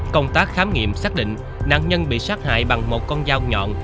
công tác khám nghiệm xác định nạn nhân bị sát hại bằng một con dao nhọn